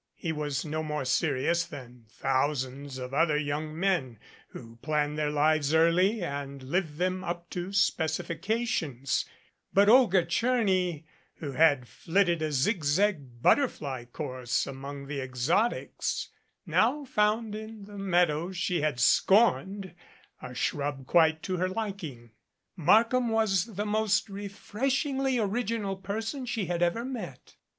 He was no more serious tha,n thousands of other young men who plan their lives early ~~i live them up to specifications; but Olga Tcherny, wno had flitted a zig zag butterfly course among the ex otics, now found in the meadows she had scorned a shrub quite to her liking. Markham was the most refreshingly original person she had ever met.